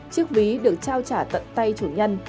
chiếc ví được trao trả tận tay chủ nhân